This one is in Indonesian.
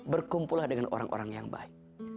berkumpullah dengan orang orang yang baik